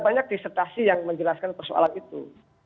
banyak disertasi yang menjelaskan persoalan itu